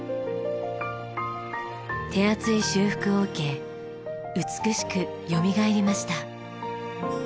手厚い修復を受け美しくよみがえりました。